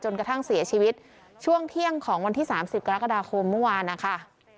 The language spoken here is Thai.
กระทั่งเสียชีวิตช่วงเที่ยงของวันที่๓๐กรกฎาคมเมื่อวานนะคะ